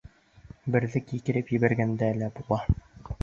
Берҙе кикереп ебәргәндә лә була.